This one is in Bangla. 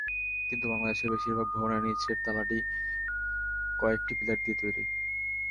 কিন্তু বাংলাদেশের বেশির ভাগ ভবনের নিচের তলাটি কয়েকটি পিলার দিয়ে তৈরি।